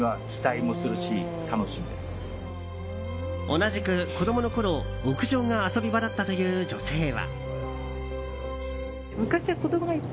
同じく子供のころ、屋上が遊び場だったという女性は。